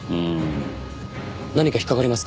何か引っかかりますか？